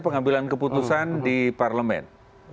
pengambilan keputusan di parlemen